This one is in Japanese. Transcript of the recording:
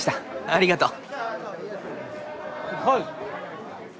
ありがとう。